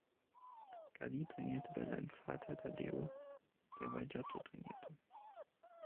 Gaddi trainierte bei seinem Vater Taddeo, der bei Giotto trainierte.